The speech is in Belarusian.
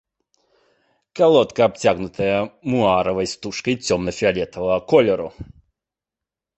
Калодка абцягнутая муаравай стужкай цёмна-фіялетавага колеру.